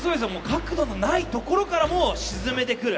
角度のないところからも沈めてくる。